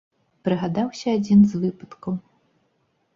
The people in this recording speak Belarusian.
Прыгадаўся адзін з выпадкаў.